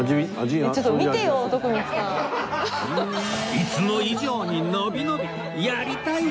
いつも以上に伸び伸びやりたい放題